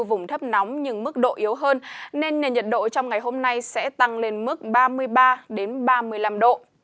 vùng thấp nóng nhưng mức độ yếu hơn nên nền nhiệt độ trong ngày hôm nay sẽ tăng lên mức ba mươi ba ba mươi năm độ